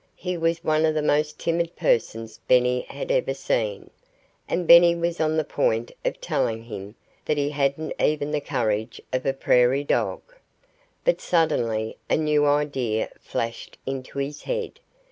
He was one of the most timid persons Benny had ever seen. And Benny was on the point of telling him that he hadn't even the courage of a prairie dog. But suddenly a new idea flashed into his head.